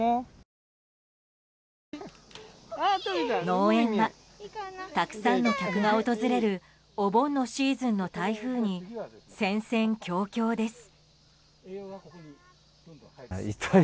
農園はたくさんの客が訪れるお盆のシーズンの台風に戦々恐々です。